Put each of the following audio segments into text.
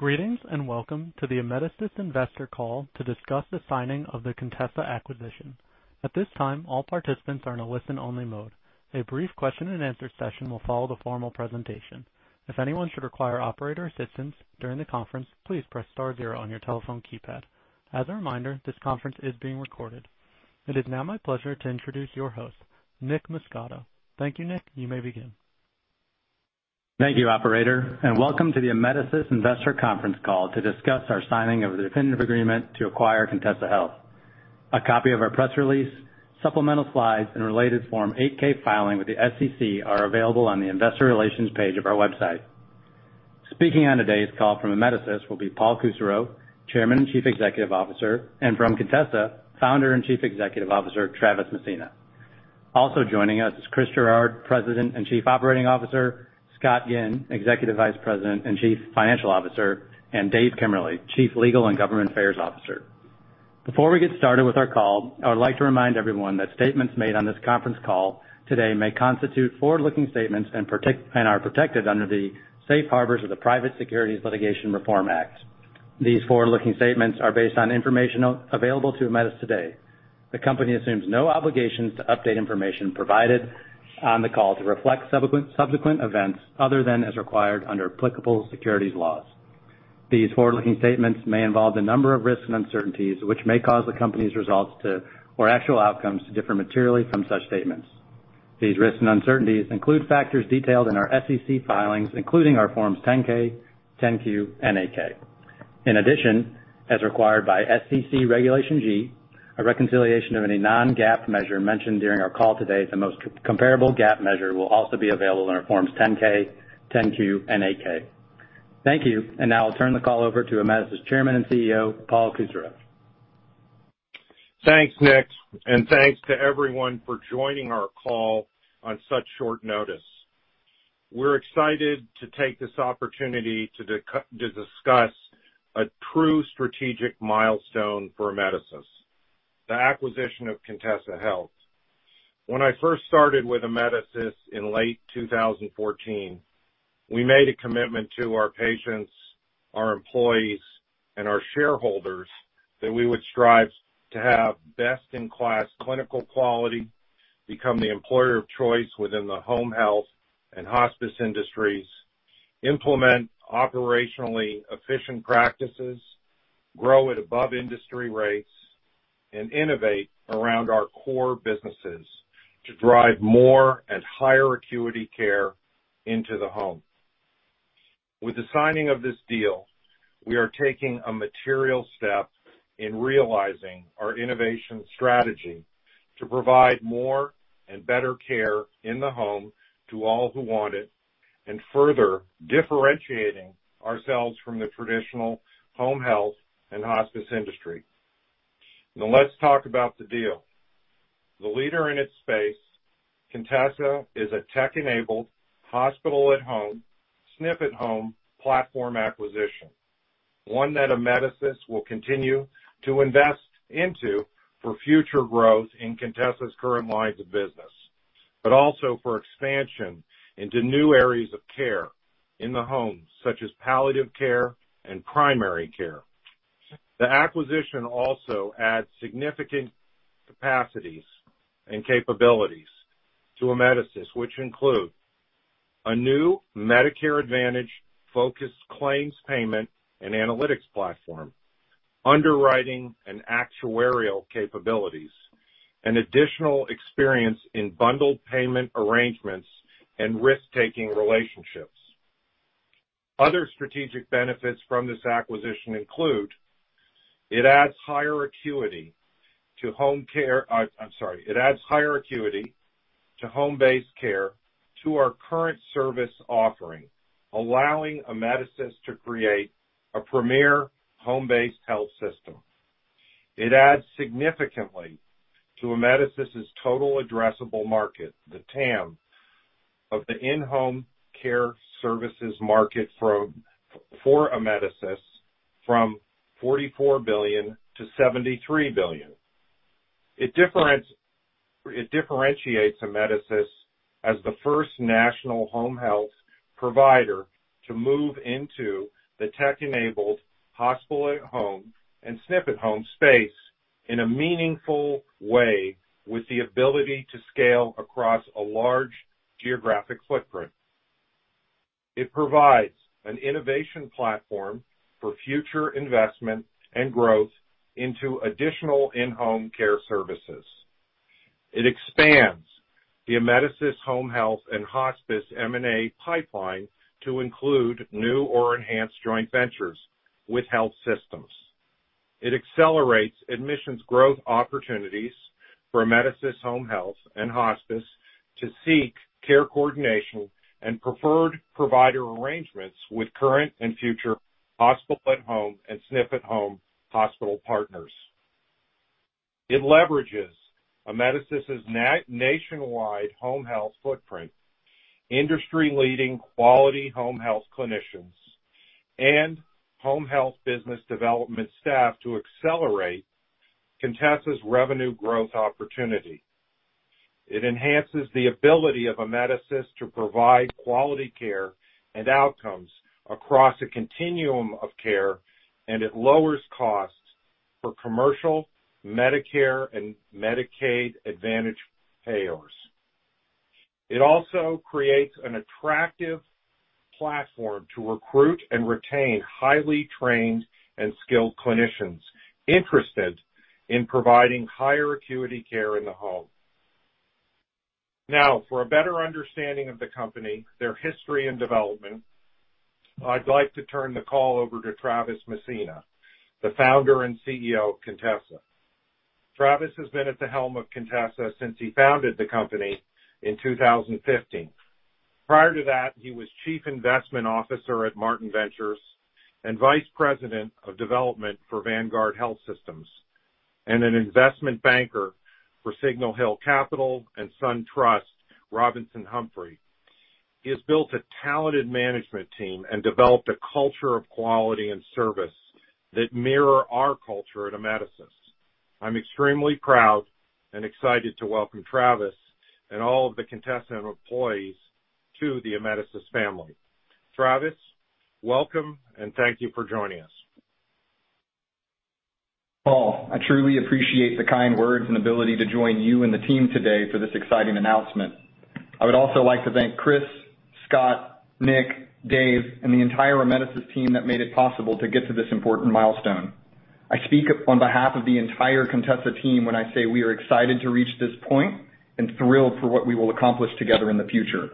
Greetings and welcome to the Amedisys investor call to discuss the signing of the Contessa acquisition. At this time, all participants are in a listen-only mode. A brief question-and-answer session will follow the formal presentation. If anyone should require operator assistance during the conference, please press star zero on your telephone keypad. As a reminder, this conference is being recorded. It is now my pleasure to introduce your host, Nick Muscato. Thank you, Nick. You may begin. Thank you, operator, and welcome to the Amedisys investor conference call to discuss our signing of the definitive agreement to acquire Contessa Health. A copy of our press release, supplemental slides, and related Form 8K filing with the SEC are available on the investor relations page of our website. Speaking on today's call from Amedisys will be Paul Kusserow, Chairman and Chief Executive Officer, and from Contessa, Founder and Chief Executive Officer, Travis Messina. Also joining us is Chris Gerard, President and Chief Operating Officer, Scott Ginn, Executive Vice President and Chief Financial Officer, and Dave Kemmerly, Chief Legal and Government Affairs Officer. Before we get started with our call, I would like to remind everyone that statements made on this conference call today may constitute forward-looking statements and are protected under the safe harbors of the Private Securities Litigation Reform Act. These forward-looking statements are based on information available to Amedisys today. The company assumes no obligations to update information provided on the call to reflect subsequent events other than as required under applicable securities laws. These forward-looking statements may involve a number of risks and uncertainties, which may cause the company's results or actual outcomes to differ materially from such statements. These risks and uncertainties include factors detailed in our SEC filings, including our Forms 10-K, 10-Q, and 8-K. In addition, as required by SEC Regulation G, a reconciliation of any non-GAAP measure mentioned during our call today, the most comparable GAAP measure will also be available in our Forms 10-K, 10-Q, and 8-K. Thank you. Now I'll turn the call over to Amedisys Chairman and CEO, Paul Kusserow. Thanks, Nick. Thanks to everyone for joining our call on such short notice. We're excited to take this opportunity to discuss a true strategic milestone for Amedisys, the acquisition of Contessa Health. When I first started with Amedisys in late 2014, we made a commitment to our patients, our employees, and our shareholders that we would strive to have best-in-class clinical quality, become the employer of choice within the Home Health and Hospice industries, implement operationally efficient practices, grow at above industry rates, and innovate around our core businesses to drive more and high-acuity care into the home. With the signing of this deal, we are taking a material step in realizing our innovation strategy to provide more and better care in the home to all who want it. Further differentiating ourselves from the traditional Home Health and Hospice industry. Let's talk about the deal. The leader in its space, Contessa, is a tech-enabled hospital at home, SNF at home platform acquisition, one that Amedisys will continue to invest into for future growth in Contessa's current lines of business, but also for expansion into new areas of care in the home, such as palliative care and primary care. The acquisition also adds significant capacities and capabilities to Amedisys, which include a new Medicare Advantage-focused claims payment and analytics platform, underwriting and actuarial capabilities, and additional experience in bundled payment arrangements and risk-taking relationships. Other strategic benefits from this acquisition include. It adds high-acuity to home-based care to our current service offering, allowing Amedisys to create a premier home-based health system. It adds significantly to Amedisys' total addressable market, the TAM, of the in-home care services market for Amedisys from $44 billion-$73 billion. It differentiates Amedisys as the first national home health provider to move into the tech-enabled hospital at home and SNF at home space in a meaningful way with the ability to scale across a large geographic footprint. It provides an innovation platform for future investment and growth into additional in-home care services. It expands the Amedisys Home Health and Hospice M&A pipeline to include new or enhanced joint ventures with health systems. It accelerates admissions growth opportunities for Amedisys Home Health and Hospice to seek care coordination and preferred provider arrangements with current and future hospital at home and SNF at home hospital partners. It leverages Amedisys' nationwide home health footprint, industry-leading quality home health clinicians, and home health business development staff to accelerate Contessa's revenue growth opportunity. It enhances the ability of Amedisys to provide quality care and outcomes across a continuum of care, and it lowers costs for commercial, Medicare, and Medicaid Advantage payers. It also creates an attractive platform to recruit and retain highly trained and skilled clinicians interested in providing high-acuity care in the home. Now, for a better understanding of the company, their history, and development, I'd like to turn the call over to Travis Messina, the Founder and CEO of Contessa. Travis has been at the helm of Contessa since he founded the company in 2015. Prior to that, he was Chief Investment Officer at Martin Ventures and Vice President of Development for Vanguard Health Systems, and an Investment Banker for Signal Hill Capital and SunTrust Robinson Humphrey. He has built a talented management team and developed a culture of quality and service that mirror our culture at Amedisys. I'm extremely proud and excited to welcome Travis and all of the Contessa employees to the Amedisys family. Travis, welcome, and thank you for joining us. Paul, I truly appreciate the kind words and ability to join you and the team today for this exciting announcement. I would also like to thank Chris, Scott, Nick, Dave, and the entire Amedisys team that made it possible to get to this important milestone. I speak on behalf of the entire Contessa team when I say we are excited to reach this point and thrilled for what we will accomplish together in the future.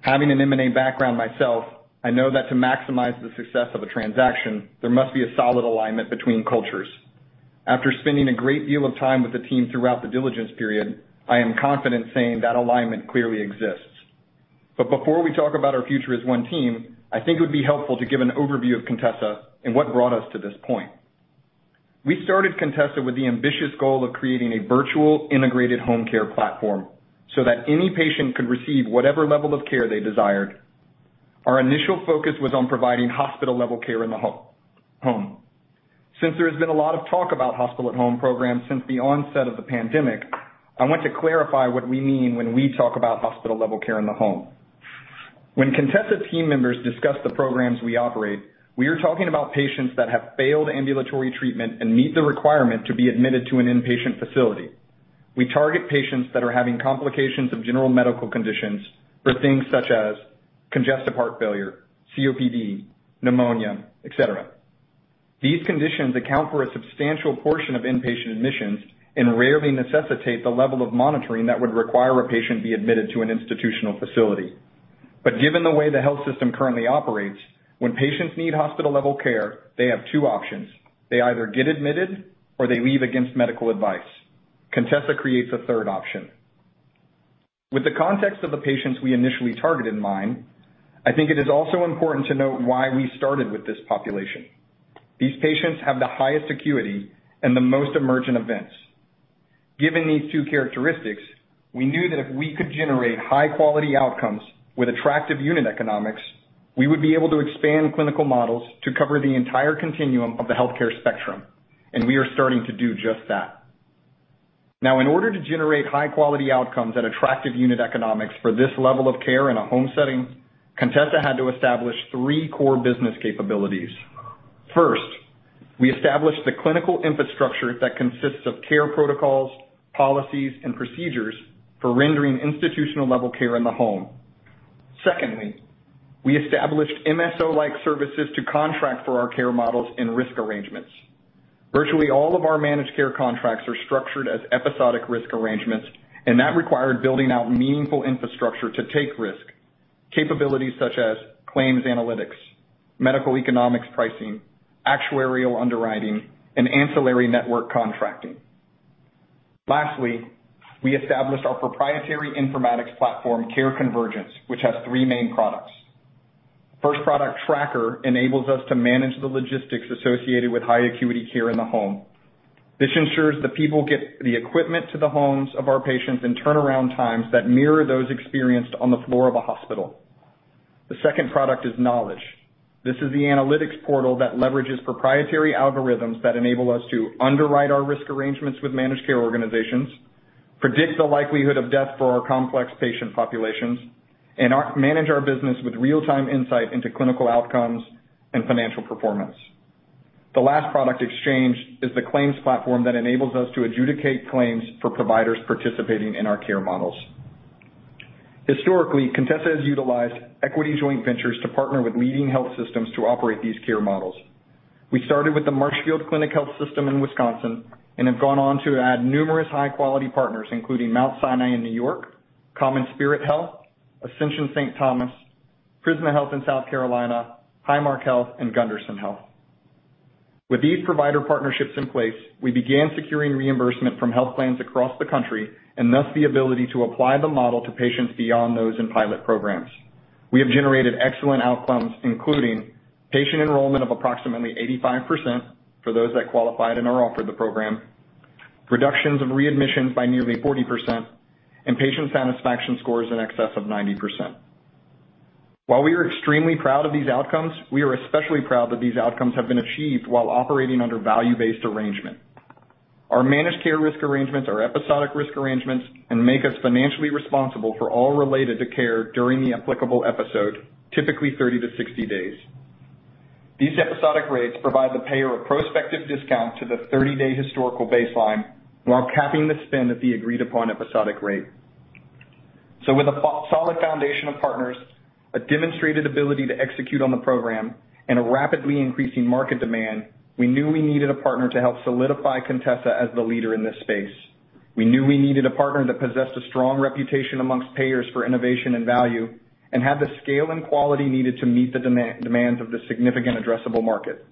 Having an M&A background myself, I know that to maximize the success of a transaction, there must be a solid alignment between cultures. After spending a great deal of time with the team throughout the diligence period, I am confident saying that alignment clearly exists. Before we talk about our future as one team, I think it would be helpful to give an overview of Contessa and what brought us to this point. We started Contessa with the ambitious goal of creating a virtual integrated home care platform so that any patient could receive whatever level of care they desired. Our initial focus was on providing hospital-level care in the home. There has been a lot of talk about hospital at home programs since the onset of the pandemic, I want to clarify what we mean when we talk about hospital-level care in the home. When Contessa team members discuss the programs we operate, we are talking about patients that have failed ambulatory treatment and meet the requirement to be admitted to an inpatient facility. We target patients that are having complications of general medical conditions for things such as congestive heart failure, COPD, pneumonia, et cetera. These conditions account for a substantial portion of inpatient admissions and rarely necessitate the level of monitoring that would require a patient be admitted to an institutional facility. Given the way the health system currently operates, when patients need hospital-level care, they have two options. They either get admitted, or they leave against medical advice. Contessa creates a third option. With the context of the patients, we initially target in mind, I think it is also important to note why we started with this population. These patients have the highest acuity and the most emergent events. Given these two characteristics, we knew that if we could generate high-quality outcomes with attractive unit economics, we would be able to expand clinical models to cover the entire continuum of the healthcare spectrum, and we are starting to do just that. In order to generate high-quality outcomes at attractive unit economics for this level of care in a home setting, Contessa had to establish three core business capabilities. First, we established the clinical infrastructure that consists of care protocols, policies, and procedures for rendering institutional-level care in the home. Secondly, we established MSO-like services to contract for our care models and risk arrangements. Virtually all of our managed care contracts are structured as episodic risk arrangements, that required building out meaningful infrastructure to take risk: capabilities such as claims analytics, medical economics pricing, actuarial underwriting, and ancillary network contracting. Lastly, we established our proprietary informatics platform, Care Convergence, which has three main products. First product, Tracker, enables us to manage the logistics associated with high-acuity care in the home. This ensures that people get the equipment to the homes of our patients and turnaround times that mirror those experienced on the floor of a hospital. The second product is Knowledge. This is the analytics portal that leverages proprietary algorithms that enable us to underwrite our risk arrangements with managed care organizations, predict the likelihood of death for our complex patient populations, and manage our business with real-time insight into clinical outcomes and financial performance. The last product, Exchange, is the claims platform that enables us to adjudicate claims for providers participating in our care models. Historically, Contessa has utilized equity joint ventures to partner with leading health systems to operate these care models. We started with the Marshfield Clinic Health System in Wisconsin and have gone on to add numerous high-quality partners, including Mount Sinai in New York, CommonSpirit Health, Ascension Saint Thomas, Prisma Health in South Carolina, Highmark Health, and Gundersen Health. With these provider partnerships in place, we began securing reimbursement from health plans across the country, and thus the ability to apply the model to patients beyond those in pilot programs. We have generated excellent outcomes, including patient enrollment of approximately 85% for those that qualified and are offered the program, reductions of readmissions by nearly 40%, and patient satisfaction scores in excess of 90%. While we are extremely proud of these outcomes, we are especially proud that these outcomes have been achieved while operating under value-based arrangement. Our managed care risk arrangements are episodic risk arrangements and make us financially responsible for all related to care during the applicable episode, typically 30-60 days. These episodic rates provide the payer a prospective discount to the 30-day historical baseline while capping the spend at the agreed-upon episodic rate. With a solid foundation of partners, a demonstrated ability to execute on the program, and a rapidly increasing market demand, we knew we needed a partner to help solidify Contessa as the leader in this space. We knew we needed a partner that possessed a strong reputation amongst payers for innovation and value and had the scale and quality needed to meet the demands of the significant addressable market.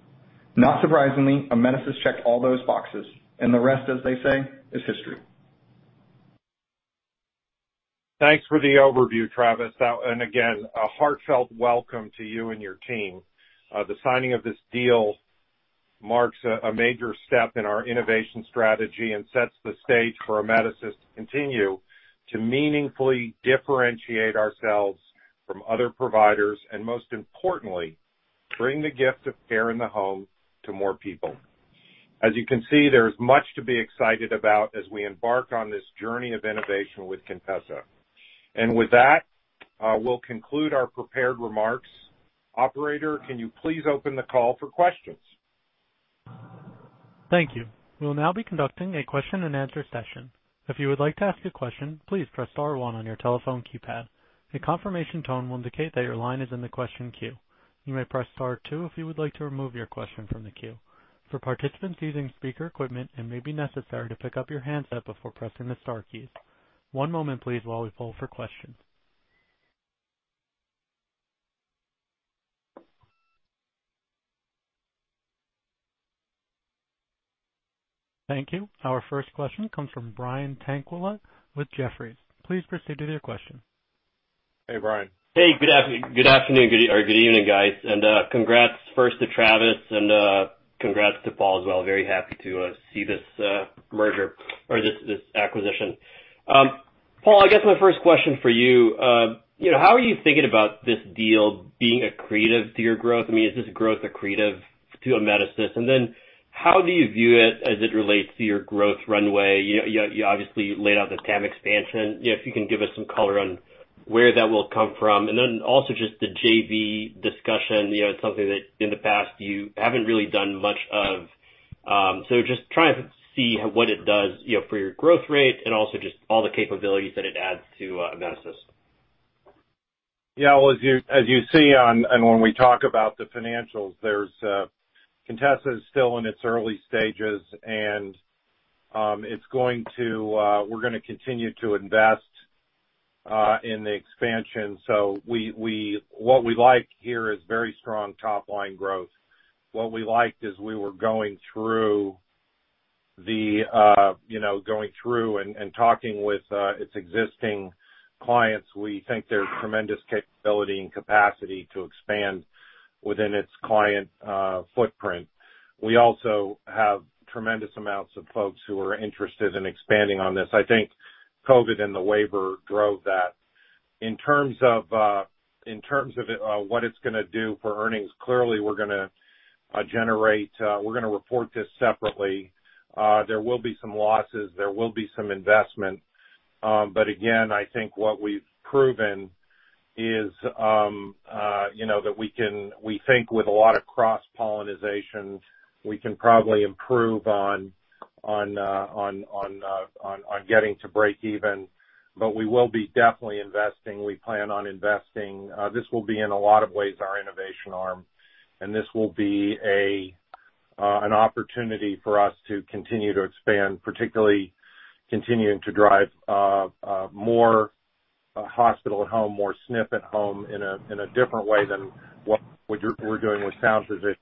Not surprisingly, Amedisys checked all those boxes, and the rest, as they say, is history. Thanks for the overview, Travis. Again, a heartfelt welcome to you and your team. The signing of this deal marks a major step in our innovation strategy and sets the stage for Amedisys to continue to meaningfully differentiate ourselves from other providers and most importantly, bring the gift of care in the home to more people. As you can see, there is much to be excited about as we embark on this journey of innovation with Contessa. With that, we will conclude our prepared remarks. Operator, can you please open the call for questions? Thank you. We'll now be conducting a question-and-answer session. If you would like to ask a question, please press star one on your telephone keypad. A confirmation tone will indicate that your line is in the question queue. You may press star two if you would like to remove your question from the queue. For participants using speaker equipment, it may be necessary to pick up your handset before pressing the star keys. One moment please while we pull for questions. Thank you. Our first question comes from Brian Tanquilut with Jefferies. Please proceed with your question. Hey, Brian. Hey, good afternoon or good evening, guys, and congrats first to Travis and congrats to Paul as well. Very happy to see this merger or this acquisition. Paul, I guess my first question for you, how are you thinking about this deal being accretive to your growth? I mean, is this growth accretive to Amedisys? How do you view it as it relates to your growth runway? You obviously laid out the TAM expansion. If you can give us some color on where that will come from, also, just the JV discussion, something that in the past you haven't really done much of. Just trying to see what it does for your growth rate, and also just all the capabilities that it adds to Amedisys. Well, as you see, when we talk about the financials, Contessa is still in its early stages, we're going to continue to invest in the expansion. What we like here is very strong top-line growth. What we liked is we were going through and talking with its existing clients. We think there's tremendous capability and capacity to expand within its client footprint. We also have tremendous amounts of folks who are interested in expanding on this. I think COVID and the waiver drove that. In terms of what it's going to do for earnings, clearly, we're going to report this separately. There will be some losses. There will be some investment. Again, I think what we've proven is that we think with a lot of cross-pollination, we can probably improve on getting to breakeven. We will be definitely investing. We plan on investing. This will be, in a lot of ways, our innovation arm, and this will be an opportunity for us to continue to expand, particularly continuing to drive more hospital at home, more SNF at home in a different way than what we're doing with Sound Physicians,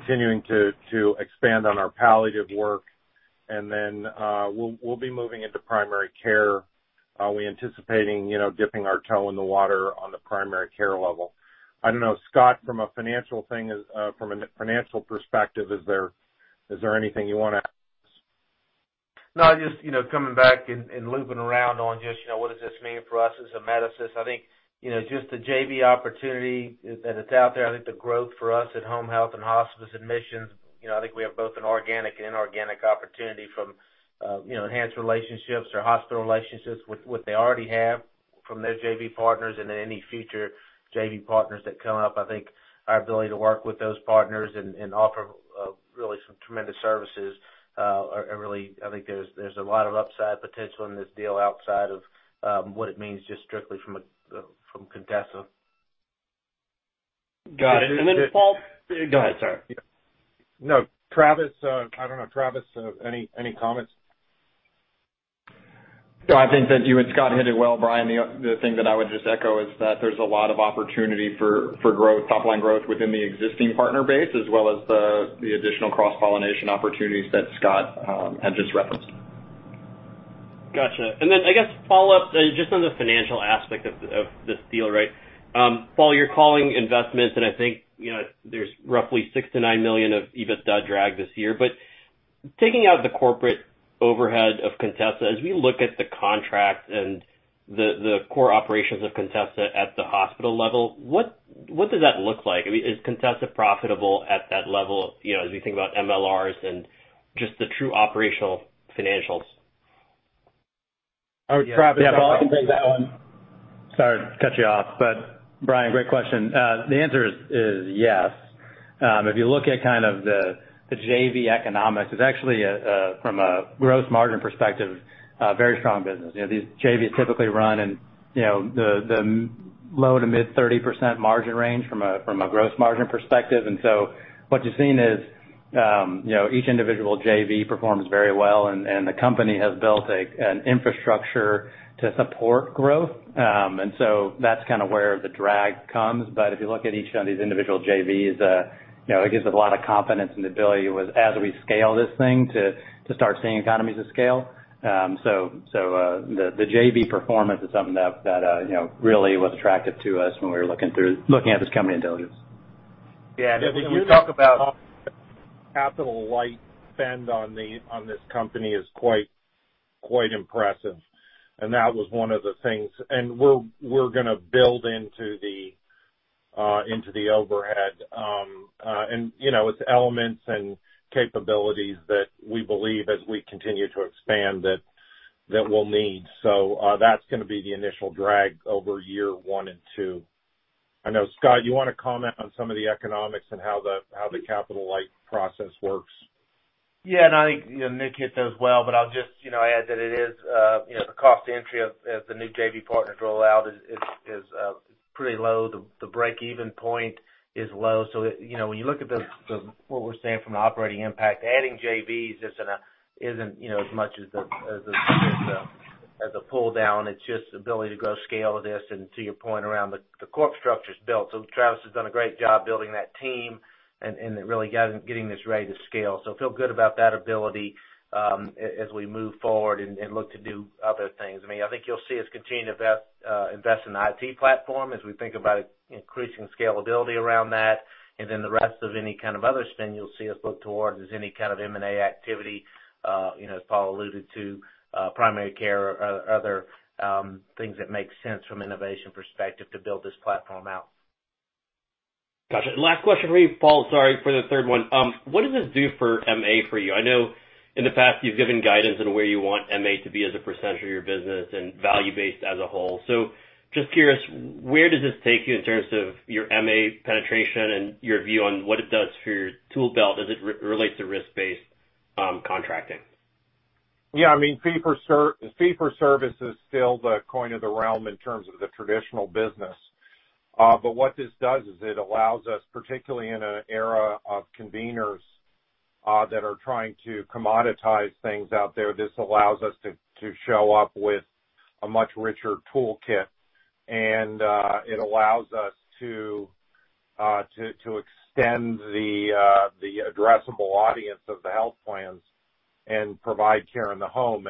continuing to expand on our palliative work, and then we'll be moving into primary care. We're anticipating dipping our toe in the water on the primary care level. I don't know, Scott, from a financial perspective, is there anything you want to add? Just coming back and looping around on just what does this mean for us as Amedisys. I think, just the JV opportunity that's out there, I think the growth for us at Home Health and Hospice admissions, I think we have both an organic and inorganic opportunity from enhanced relationships or hospital relationships with what they already have from those JV partners and any future JV partners that come up. I think our ability to work with those partners and offer really some tremendous services, I think there's a lot of upside potential in this deal outside of what it means just strictly from Contessa. Got it. Paul- Go ahead, sorry. No, Travis, I don't know, Travis, any comments? I think that you and Scott hit it well, Brian. The thing that I would just echo is that there's a lot of opportunity for top-line growth within the existing partner base, as well as the additional cross-pollination opportunities that Scott had just referenced. Got you. I guess, follow-up, just on the financial aspect of this deal, right? Paul, you're calling investments, and I think there's roughly $6 million-$9 million of EBITDA drag this year. Taking out the corporate overhead of Contessa, as we look at the contract and the core operations of Contessa at the hospital level, what does that look like? Is Contessa profitable at that level as you think about MLRs and just the true operational financials? Yeah. Travis, you want to take that one? Sorry to cut you off, Brian, great question. The answer is yes. If you look at the JV economics, it's actually, from a gross margin perspective, a very strong business. These JVs typically run in the low to mid 30% margin range from a gross margin perspective. What you're seeing is each individual JV performs very well and the company has built an infrastructure to support growth. That's where the drag comes. If you look at each of these individual JVs, it gives a lot of confidence and ability as we scale this thing to start seeing economies of scale. The JV performance is something that really was attractive to us when we were looking at this company diligence. Yeah, if you talk about capital light spend on this company is quite impressive. That was one of the things, and we're going to build into the overhead. Its elements and capabilities that we believe as we continue to expand that we'll need. That's going to be the initial drag over year one and two. I know, Scott, you want to comment on some of the economics and how the capital light process works? Yeah, no, I think you hit those well, but I'll just add that it is the cost to entry of the new JV partners roll out is pretty low. The breakeven point is low. When you look at what we're seeing from an operating impact, adding JVs isn't as much as a pull-down. It's just ability to go scale this and to your point around the core structure is built. Travis has done a great job building that team and really getting this ready to scale. Feel good about that ability, as we move forward and look to do other things. I think you'll see us continue to invest in the IT platform as we think about increasing scalability around that. The rest of any kind of other spend you'll see us look towards is any kind of M&A activity, as Paul alluded to, primary care, other things that make sense from innovation perspective to build this platform out. Gotcha. Last question for you, Paul, sorry for the third one. What does this do for MA for you? I know in the past you've given guidance on where you want MA to be as a percentage of your business and value based as a whole. Just curious, where does this take you in terms of your MA penetration and your view on what it does for your tool belt as it relates to risk-based contracting? Yeah, fee for service is still the coin of the realm in terms of the traditional business. What this does is it allows us, particularly in an era of conveners, that are trying to commoditize things out there, this allows us to show up with a much richer toolkit. It allows us to extend the addressable audience of the health plans and provide care in the home.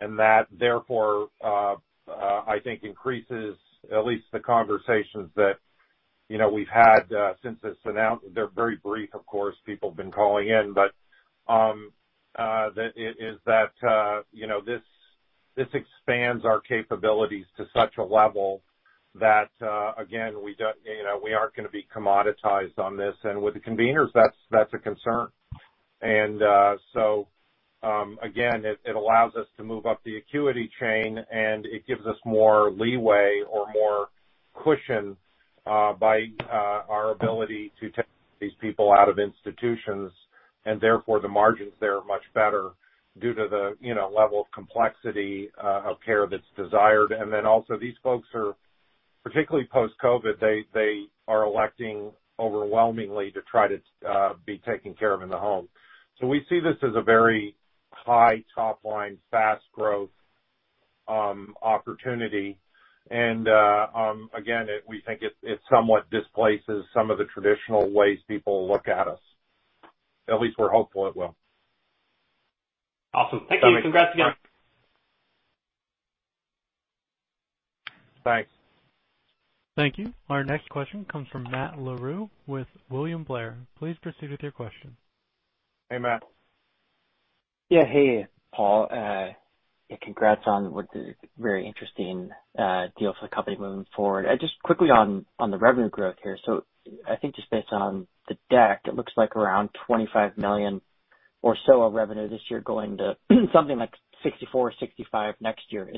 That, therefore, I think increases at least the conversations that we've had since it's been out. They're very brief, of course, people have been calling in, but is that this expands our capabilities to such a level that, again, we aren't going to be commoditized on this and with the conveners, that's a concern. Again, it allows us to move up the acuity chain, and it gives us more leeway or more cushion by our ability to take these people out of institutions, and therefore the margins there are much better due to the level of complexity of care that's desired. These folks are particularly post-COVID, they are electing overwhelmingly to try to be taken care of in the home. We see this as a very high top line, fast growth opportunity. Again, we think it somewhat displaces some of the traditional ways people look at us. At least we're hopeful it will. Awesome. Thank you. Congrats- Thanks. Thank you. Our next question comes from Matt Larew with William Blair. Please proceed with your question. Hey, Matt. Yeah. Hey, Paul. Congrats on what's a very interesting deal for the company moving forward. Just quickly on the revenue growth here. I think just based on the deck, it looks like around $25 million or so of revenue this year going to something like $64 million, $65 million next year.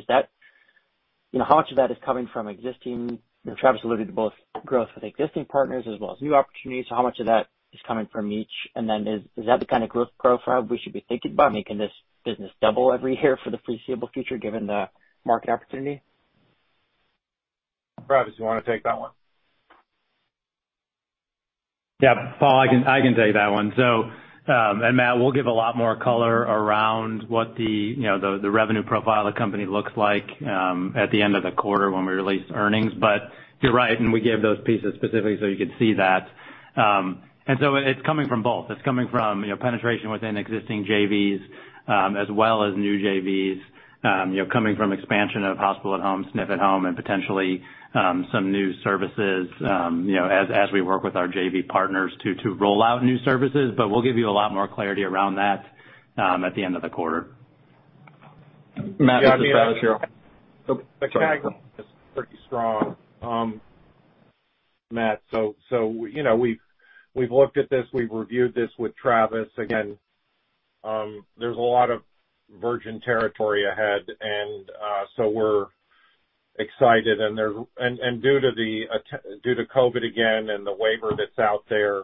How much of that is coming from existing? Travis alluded to both growth with existing partners as well as new opportunities. How much of that is coming from each? Is that the kind of growth profile we should be thinking about, making this business double every year for the foreseeable future, given the market opportunity? Travis, you want to take that one? Yeah. Paul, I can take that one. Matt, we'll give a lot more color around what the revenue profile of the company looks like, at the end of the quarter when we release earnings. You're right, and we gave those pieces specifically so you could see that. It's coming from both. It's coming from penetration within existing JVs, as well as new JVs, coming from expansion of hospital at home, SNF at home and potentially, some new services as we work with our JV partners to roll out new services. We'll give you a lot more clarity around that, at the end of the quarter. Matt, this is Travis here. The category is pretty strong, Matt. We've looked at this, we've reviewed this with Travis. Again, there's a lot of virgin territory ahead, we're excited. Due to COVID again, and the waiver that's out there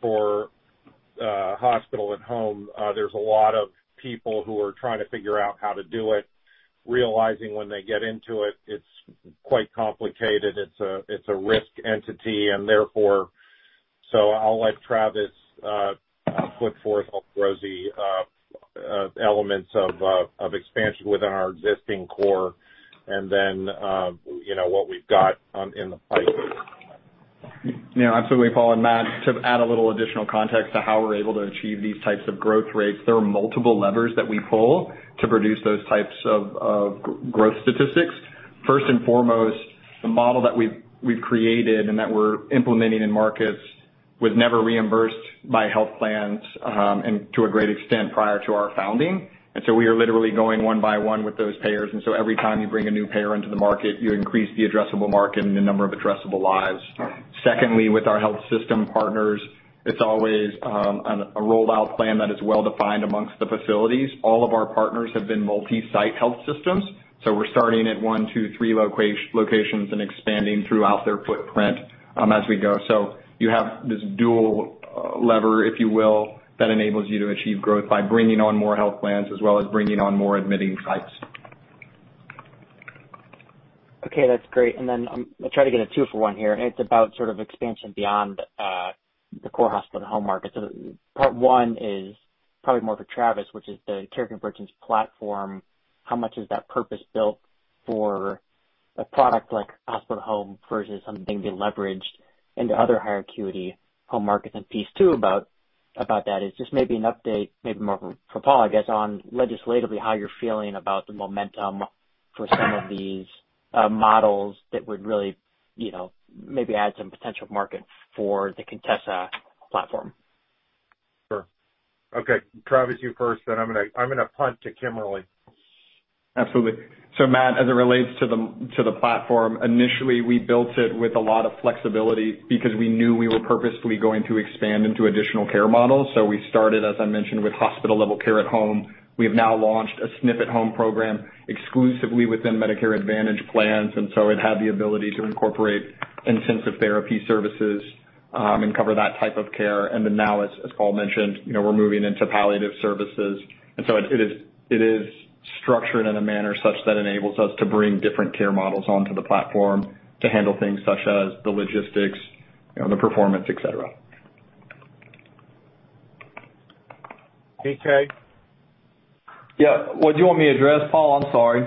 for hospital at home, there's a lot of people who are trying to figure out how to do it, realizing when they get into it's quite complicated. It's a risk entity. I'll let Travis put forth both rosy elements of expansion within our existing core and then what we've got in the pipe. Yeah, absolutely, Paul. Matt, to add a little additional context to how we're able to achieve these types of growth rates, there are multiple levers that we pull to produce those types of growth statistics. First and foremost, the model that we've created and that we're implementing in markets was never reimbursed by health plans, and to a great extent, prior to our founding. We are literally going one by one with those payers. Every time you bring a new payer into the market, you increase the addressable market and the number of addressable lives. Secondly, with our health system partners, it's always a rollout plan that is well-defined amongst the facilities. All of our partners have been multi-site health systems. We're starting at one, two, three locations and expanding throughout their footprint as we go. You have this dual lever, if you will, that enables you to achieve growth by bringing on more health plans as well as bringing on more admitting sites. Okay, that's great. Then I'll try to get a two-for-one here, and it's about expansion beyond the core hospital at home market. Part one is probably more for Travis, which is the Care Convergence platform. How much is that purpose-built for a product like hospital at home versus something being leveraged into other high-acuity home markets? Piece two about that is just maybe an update, maybe more for Paul, I guess, on legislatively how you're feeling about the momentum for some of these models that would really maybe add some potential market for the Contessa platform. Sure. Okay, Travis, you first, I'm going to punt to Kemmerly. Absolutely. Matt, as it relates to the platform, initially, we built it with a lot of flexibility because we knew we were purposefully going to expand into additional care models. We started, as I mentioned, with hospital-level care at home. We have now launched a SNF-at-home program exclusively within Medicare Advantage plans, and so it had the ability to incorporate intensive therapy services and cover that type of care. Now, as Paul mentioned, we're moving into palliative services. It is structured in a manner such that enables us to bring different care models onto the platform to handle things such as the logistics, the performance, et cetera. DK? Yeah. What'd you want me to address, Paul? I'm sorry.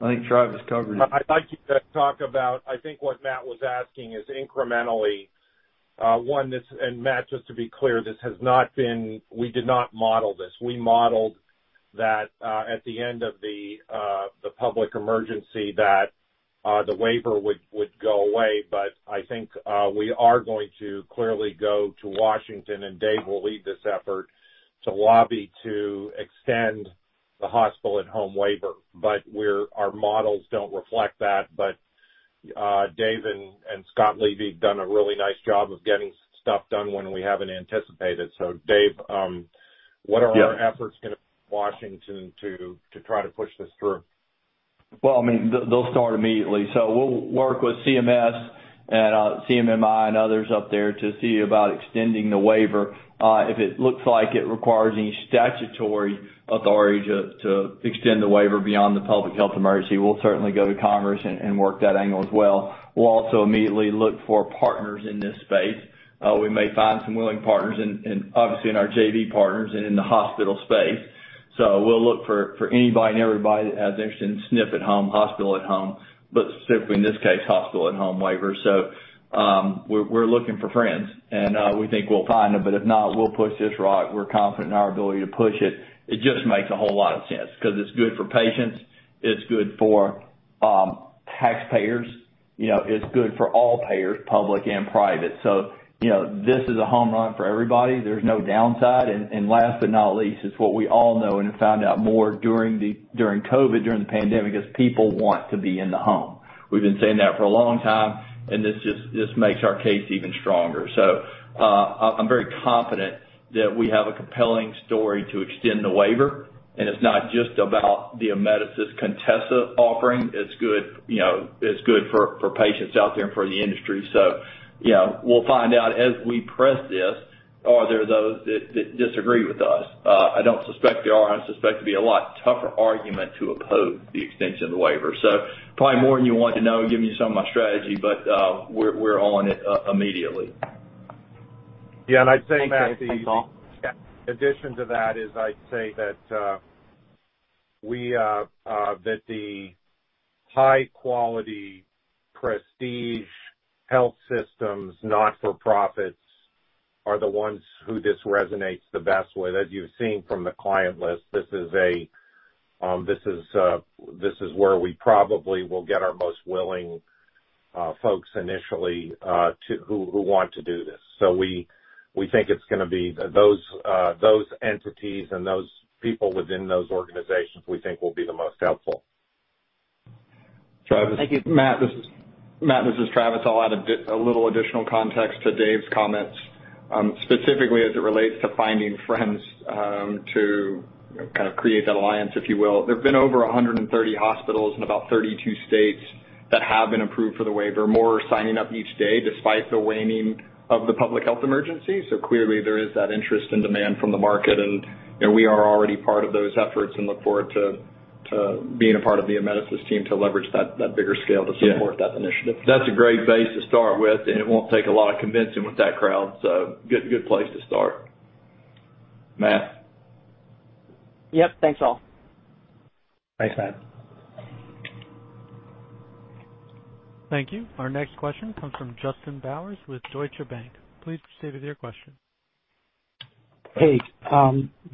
I think Travis covered it. I'd like you to talk about, I think what Matt was asking is incrementally, one, Matt, just to be clear, we did not model this. We modeled that at the end of the public emergency that the waiver would go away. I think we are going to clearly go to Washington, and Dave will lead this effort to lobby to extend the hospital at home waiver. Our models don't reflect that. Dave and Scott Levy have done a really nice job of getting stuff done when we haven't anticipated. Dave, what are our efforts going to Washington to try to push this through? They'll start immediately. We'll work with CMS and CMMI and others up there to see about extending the waiver. If it looks like it requires any statutory authority to extend the waiver beyond the public health emergency, we'll certainly go to Congress and work that angle as well. We'll also immediately look for partners in this space. We may find some willing partners in, obviously, in our JV partners and in the hospital space. We'll look for anybody and everybody that has interest in SNF at home, hospital at home, but specifically in this case, hospital at home waiver. We're looking for friends, and we think we'll find them. If not, we'll push this rock. We're confident in our ability to push it. It just makes a whole lot of sense because it's good for patients, it's good for taxpayers. It's good for all payers, public and private. This is a home run for everybody. There's no downside. Last but not least, it's what we all know and found out more during COVID, during the pandemic, is people want to be in the home. We've been saying that for a long time, and this just makes our case even stronger. I'm very confident that we have a compelling story to extend the waiver, and it's not just about the Amedisys Contessa offering. It's good for patients out there and for the industry. We'll find out as we press this, are there those that disagree with us? I don't suspect there are. I suspect it'd be a lot tougher argument to oppose the extension of the waiver. Probably more than you wanted to know, giving you some of my strategy, but we're on it immediately. Yeah, I'd say, Matt. Okay. Thanks, Paul. In addition to that is I'd say that the high-quality prestige health systems, not-for-profits, are the ones who this resonates the best with, as you've seen from the client list. This is where we probably will get our most willing folks initially who want to do this. We think it's going to be those entities and those people within those organizations we think will be the most helpful. Thank you, Matt. This is Travis. I'll add a little additional context to Dave's comments, specifically as it relates to finding friends to create that alliance, if you will. There have been over 130 hospitals in about 32 states that have been approved for the waiver, more are signing up each day despite the waning of the public health emergency. Clearly there is that interest and demand from the market, and we are already part of those efforts and look forward to being a part of the Amedisys team to leverage that bigger scale to support that initiative. That's a great base to start with, and it won't take a lot of convincing with that crowd. Good place to start. Matt? Yep. Thanks all. Thanks, Matt. Thank you. Our next question comes from Justin Bowers with Deutsche Bank. Please proceed with your question. Hey,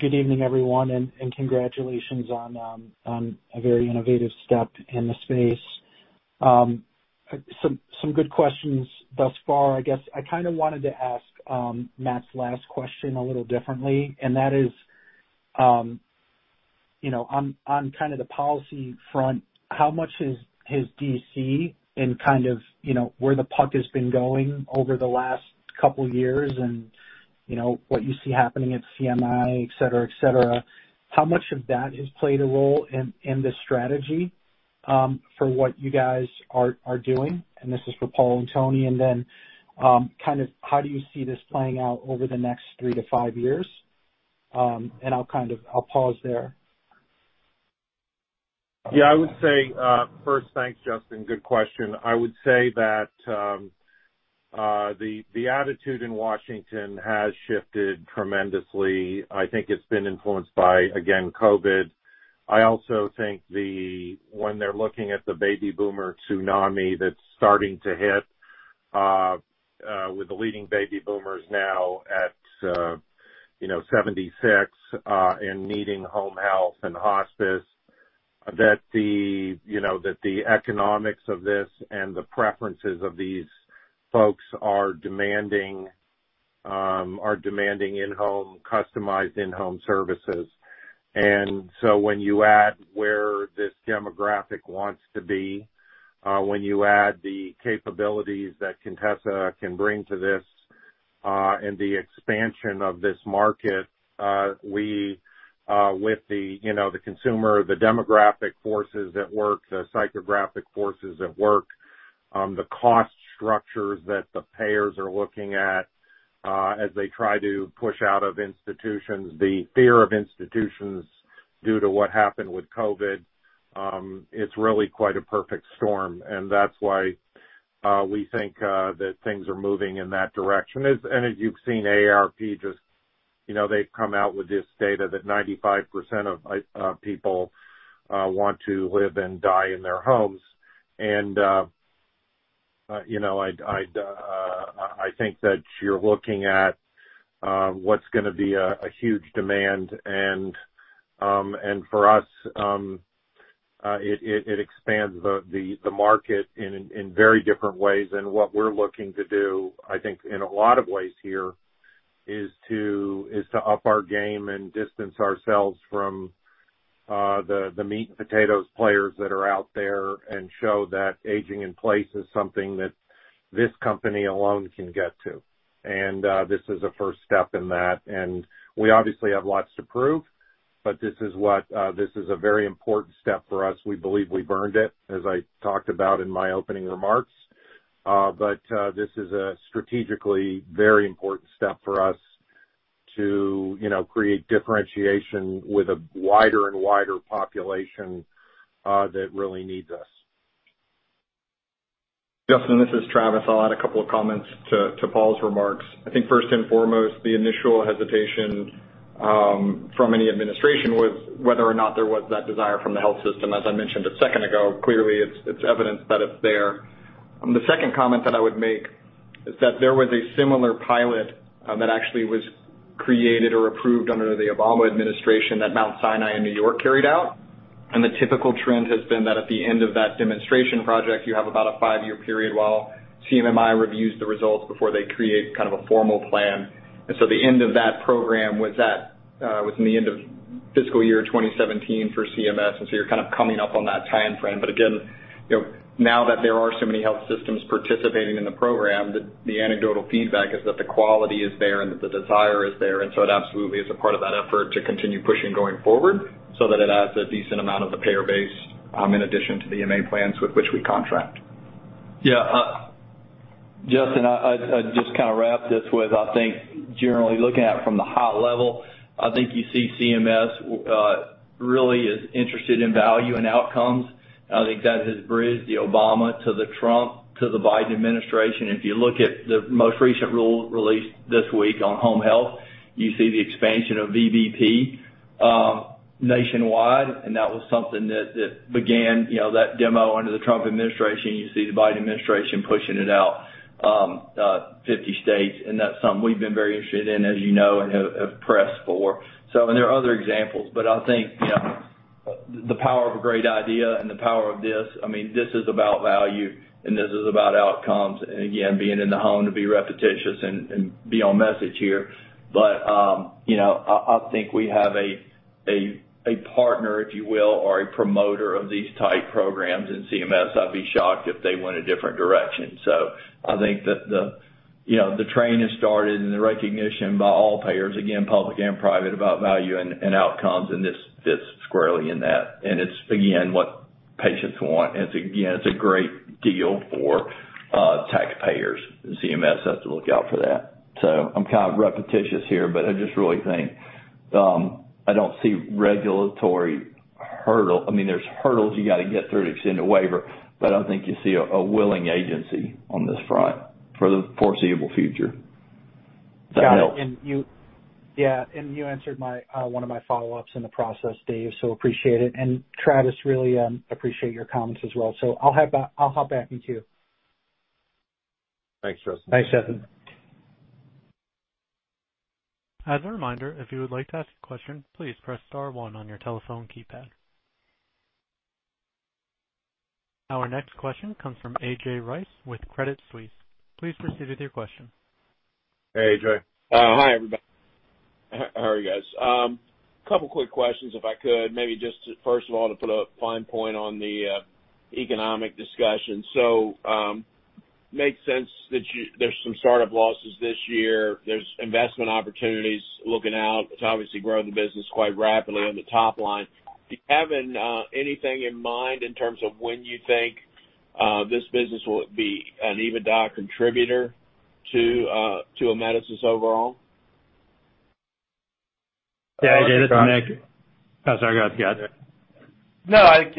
good evening, everyone, and congratulations on a very innovative step in the space. Some good questions thus far. I guess I kind of wanted to ask Matt's last question a little differently, and that is, on the policy front, how much has D.C. and where the puck has been going over the last couple of years and what you see happening at CMMI, et cetera, how much of that has played a role in the strategy for what you guys are doing? This is for Paul and Travis. Then how do you see this playing out over the next three to five years? I'll pause there. Yeah, I would say, first, thanks, Justin. Good question. I would say that the attitude in Washington has shifted tremendously. I think it's been influenced by, again, COVID. I also think when they're looking at the baby boomer tsunami that's starting to hit with the leading baby boomers now at 76 and needing Home Health and Hospice, that the economics of this and the preferences of these folks are demanding customized in-home services. When you add where this demographic wants to be, when you add the capabilities that Contessa can bring to this and the expansion of this market, with the consumer, the demographic forces at work, the psychographic forces at work, the cost structures that the payers are looking at as they try to push out of institutions, the fear of institutions due to what happened with COVID, it's really quite a perfect storm, that's why we think that things are moving in that direction. As you've seen AARP just, they've come out with this data that 95% of people want to live and die in their homes. I think that you're looking at what's going to be a huge demand, and for us, it expands the market in very different ways. What we're looking to do, I think in a lot of ways here, is to up our game and distance ourselves from the meat and potatoes players that are out there and show that aging in place is something that this company alone can get to. This is a first step in that, and we obviously have lots to prove, but this is a very important step for us. We believe we've earned it, as I talked about in my opening remarks. This is a strategically very important step for us to create differentiation with a wider and wider population that really needs us. Justin, this is Travis. I'll add a couple of comments to Paul's remarks. I think first and foremost, the initial hesitation from any administration was whether or not there was that desire from the health system. As I mentioned a second ago, clearly it's evidence that it's there. The second comment that I would make is that there was a similar pilot that actually was created or approved under the Obama administration that Mount Sinai in New York carried out. The typical trend has been that at the end of that demonstration project, you have about a five-year period while CMMI reviews the results before they create a formal plan. The end of that program was the end of fiscal year 2017 for CMS, and so you're kind of coming up on that timeframe. Again, now that there are so many health systems participating in the program, the anecdotal feedback is that the quality is there and that the desire is there. It absolutely is a part of that effort to continue pushing going forward so that it adds a decent amount of the payer base in addition to the MA plans with which we contract. Yeah. Justin, I'd just wrap this with, I think generally looking at it from the high level, I think you see CMS really is interested in value and outcomes. I think that has bridged the Obama to the Trump to the Biden administration. If you look at the most recent rule released this week on home health, you see the expansion of VBP nationwide, and that was something that began, that demo under the Trump administration. You see the Biden administration pushing it out, 50 states, and that's something we've been very interested in, as you know, and have pressed for. There are other examples. The power of a great idea and the power of this. This is about value, and this is about outcomes. Again, being in the home, to be repetitious and be on message here. I think we have a partner, if you will, or a promoter of these type programs in CMS. I'd be shocked if they went a different direction. I think that the training has started and the recognition by all payers, again, public and private, about value and outcomes, and this fits squarely in that. It's, again, what patients want, and it's a great deal for taxpayers, and CMS has to look out for that. I'm kind of repetitious here, but I just really think, I don't see regulatory hurdle. There's hurdles you got to get through to extend a waiver, but I don't think you see a willing agency on this front for the foreseeable future. Yeah. You answered one of my follow-ups in the process, Dave, so appreciate it. Travis, really appreciate your comments as well. I'll hop back with you. Thanks, Justin. Thanks, Justin. Our next question comes from AJ Rice with Credit Suisse. Please proceed with your question. Hey, AJ. Hi, everybody. How are you guys? Couple quick questions, if I could. Maybe just first of all, to put a fine point on the economic discussion. Makes sense that there's some startup losses this year. There's investment opportunities looking out. It's obviously growing the business quite rapidly on the top line. Do you have anything in mind in terms of when you think this business will be an EBITDA contributor to Amedisys overall? Sorry, go ahead,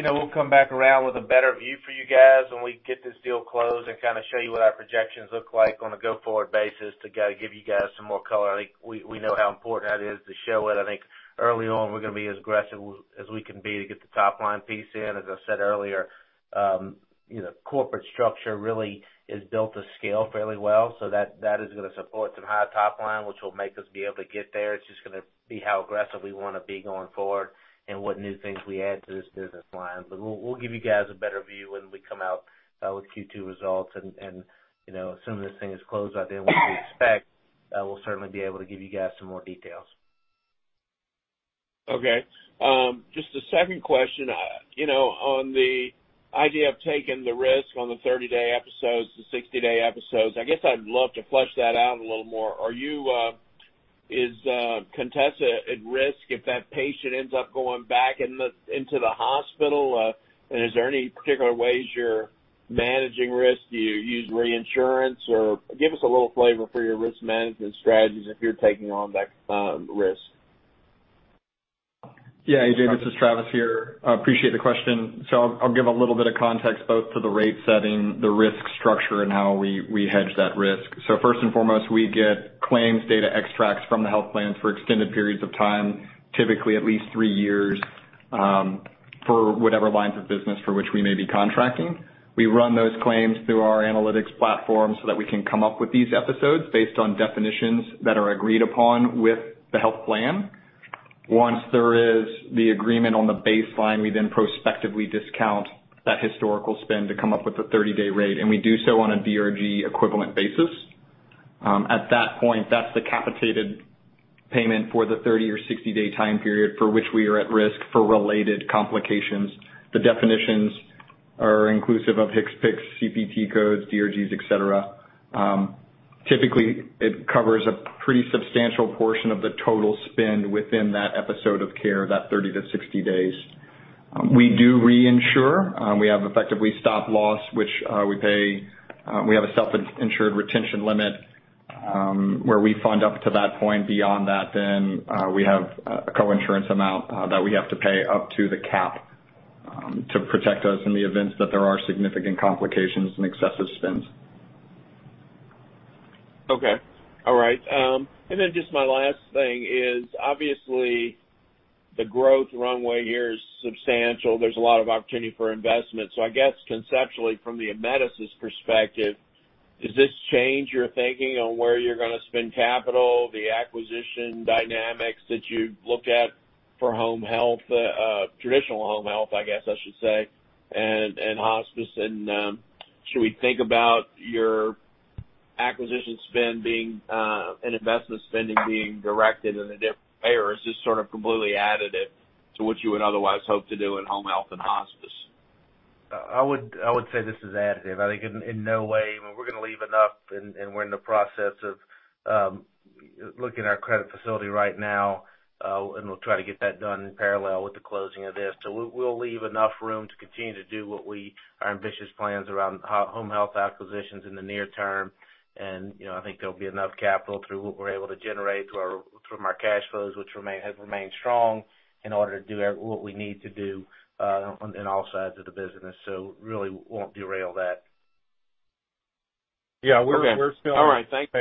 Scott. We'll come back around with a better view for you guys when we get this deal closed and show you what our projections look like on a go-forward basis to give you guys some more color. We know how important that is to show it. I think early on, we're going to be as aggressive as we can be to get the top-line piece in. As I said earlier, corporate structure really is built to scale fairly well, so that is going to support some high top-line, which will make us be able to get there. It's just going to be how aggressive we want to be going forward and what new things we add to this business line. We'll give you guys a better view when we come out with Q2 results and, as soon as this thing is closed out and what we expect, we'll certainly be able to give you guys some more details. Okay. Just a second question. On the idea of taking the risk on the 30-day episodes, the 60-day episodes, I guess I'd love to flesh that out a little more. Is Contessa at risk if that patient ends up going back into the hospital? Is there any particular ways you're managing risk? Do you use reinsurance? Give us a little flavor for your risk management strategies if you're taking on that risk. Yeah, AJ, this is Travis here. Appreciate the question. I'll give a little bit of context both to the rate setting, the risk structure, and how we hedge that risk. First and foremost, we get claims data extracts from the health plans for extended periods of time, typically at least three years, for whatever lines of business for which we may be contracting. We run those claims through our analytics platform so that we can come up with these episodes based on definitions that are agreed upon with the health plan. Once there is the agreement on the baseline, we then prospectively discount that historical spend to come up with a 30-day rate, and we do so on a DRG equivalent basis. At that point, that's the capitated payment for the 30 or 60-day time period for which we are at risk for related complications. The definitions are inclusive of HCPCS, CPT codes, DRGs, et cetera. Typically, it covers a pretty substantial portion of the total spend within that episode of care, that 30-60 days. We do reinsure. We have effectively stop loss, which we pay. We have a self-insured retention limit, where we fund up to that point. Beyond that, we have a co-insurance amount that we have to pay up to the cap to protect us in the event that there are significant complications and excessive spends. Okay. All right. Just my last thing is, obviously, the growth runway here is substantial. There's a lot of opportunity for investment. I guess conceptually from the Amedisys perspective, does this change your thinking on where you're going to spend capital, the acquisition dynamics that you look at for home health, traditional home health, I guess I should say, and Hospice? Should we think about your acquisition spend and investment spending being directed in a different area, or is this sort of completely additive to what you would otherwise hope to do in Home Health and Hospice? I would say this is additive. I think in no way, we're going to leave enough, and we're in the process of looking at our credit facility right now, and we'll try to get that done in parallel with the closing of this. We'll leave enough room to continue to do our ambitious plans around home health acquisitions in the near term. I think there'll be enough capital through what we're able to generate from our cash flows, which have remained strong in order to do what we need to do, and also add to the business. It really won't derail that. Okay. All right. Thanks.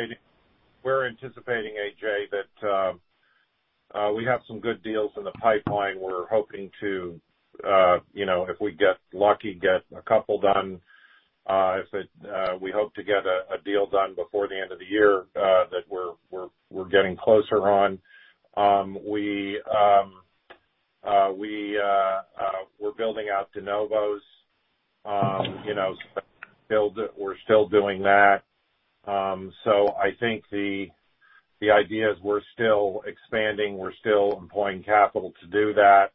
We're anticipating, AJ, that we have some good deals in the pipeline. We're hoping to, if we get lucky, get a couple done. If we hope to get a deal done before the end of the year that we're getting closer on. We're building out de novos. We're still doing that. I think the idea is we're still expanding, we're still employing capital to do that.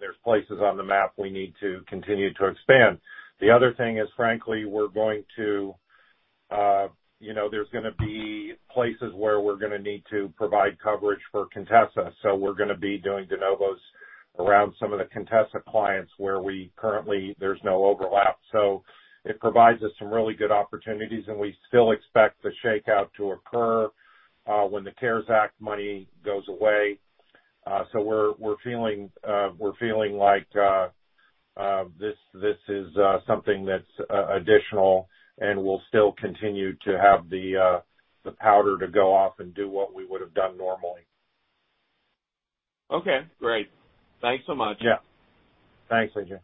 There's places on the map we need to continue to expand. The other thing is, frankly, there's going to be places where we're going to need to provide coverage for Contessa. We're going to be doing de novos around some of the Contessa clients where currently there's no overlap. It provides us some really good opportunities, and we still expect the shakeout to occur, when the CARES Act money goes away. We're feeling like, this is something that's additional, and we'll still continue to have the powder to go off and do what we would've done normally. Okay, great. Thanks so much. Yeah. Thanks, AJ.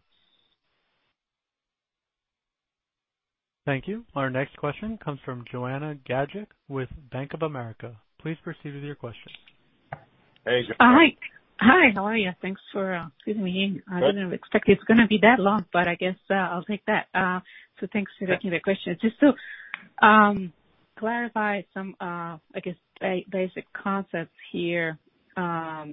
Thank you. Our next question comes from Joanna Gajuk with Bank of America. Please proceed with your question. Hey, Joanna. Hi. How are you? Thanks for squeezing me in. I didn't expect it's going to be that long, but I guess I'll take that. Thanks for taking the question. Just to clarify some, I guess, basic concepts here, because